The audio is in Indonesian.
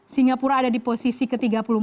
singapura ada di posisi ke tiga puluh empat